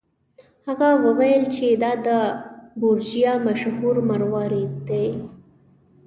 هغه وویل چې دا د بورجیا مشهور مروارید دی.